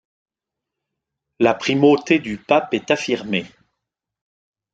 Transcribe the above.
La primauté du pape est affirmée.